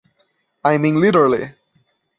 I mean literally.